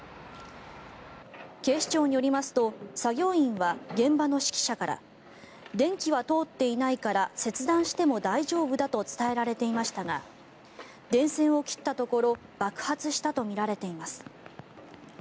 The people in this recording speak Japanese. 警視庁によりますと作業員は現場の指揮者から電気は通っていないから切断しても大丈夫だと伝えられていましたが電線を切ったところ爆発したとみられています。